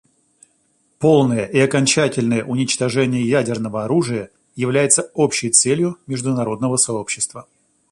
Полное и окончательное уничтожение ядерного оружия является общей целью международного сообщества.